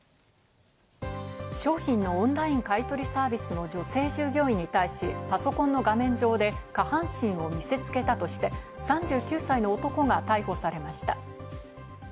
商品のオンライン買い取りサービスの女性従業員に対し、パソコンの画面上で下半身を見せつけたとして３９歳の男が逮捕されました。